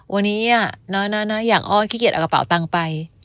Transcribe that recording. วันนี้อะหนอนน่ะอยากอ้อนขี้เกียจออกเกาะเปล่าตังไป